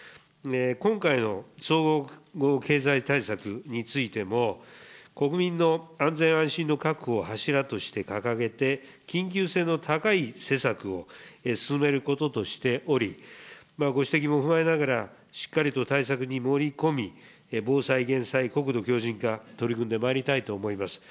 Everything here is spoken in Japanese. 今回の総合経済対策についても、国民の安全安心の確保を柱として掲げて、緊急性の高い施策を進めることとしており、ご指摘も踏まえながら、しっかりと対策に盛り込み、防災・減災、国土強じん化、取り組んでまいりたいと思います。